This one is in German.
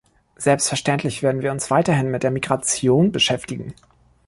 Selbstverständlich werden wir uns weiterhin mit der Migration beschäftigen.